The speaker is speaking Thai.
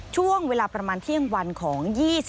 ช่วงเวลาประมาณเที่ยงวันของ๒๕